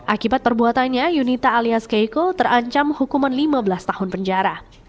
akibat perbuatannya yunita alias keiko terancam hukuman lima belas tahun penjara